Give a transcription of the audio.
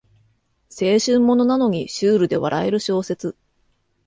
青春ものなのにシュールで笑える小説